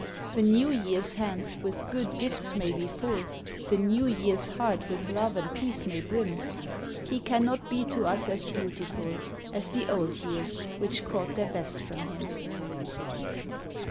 le New Year's hands with good gifts may be full, The New Year's heart with love and peace may brim, e cannot be to us as beautiful As the old years which caught their best from him.